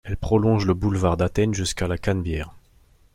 Elle prolonge le boulevard d'Athènes jusqu'à la Canebière.